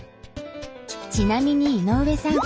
ちなみに井上さん